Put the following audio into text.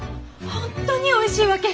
本当においしいわけ！